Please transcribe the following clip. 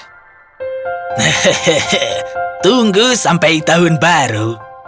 hehehe tunggu sampai tahun baru